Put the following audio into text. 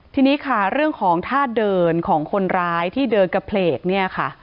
ทีนี้ค่ะเรื่องของท่าเดินของคนร้ายที่เดินกระเพลกเนี่ยค่ะ